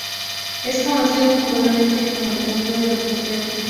Es conocido popularmente como "el trofeo de los trofeos".